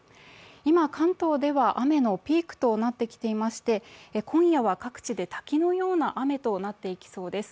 今、関東では雨のピークとなってきていまして、今夜は各地で滝のような雨となっていきそうです。